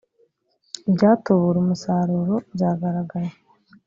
ibyatubura umusaruro byagaragaye